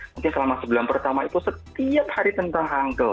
mungkin selama sebelum pertama itu setiap hari tentang hangul